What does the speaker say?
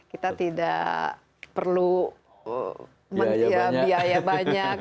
kita tidak perlu biaya banyak